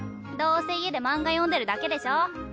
どうせ家で漫画読んでるだけでしょ。